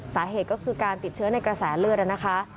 สาเหตุก็คือการติดเชื้อในกระแสเลือดนะคะ